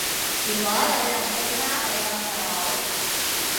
如果有人送花俾我就好